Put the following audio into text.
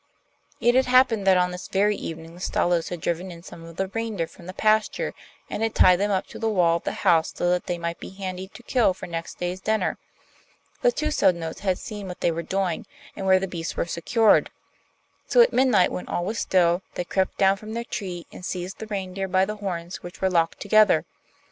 It had happened that on this very evening the Stalos had driven in some of the reindeer from the pasture, and had tied them up to the wall of the house so that they might be handy to kill for next day's dinner. The two Sodnos had seen what they were doing, and where the beasts were secured; so, at midnight, when all was still, they crept down from their tree and seized the reindeer by the horns which were locked together.